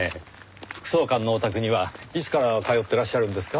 副総監のお宅にはいつから通ってらっしゃるんですか？